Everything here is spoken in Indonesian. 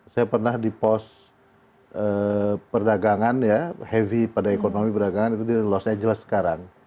saya pernah di pos perdagangan ya heavy pada ekonomi perdagangan itu di los angeles sekarang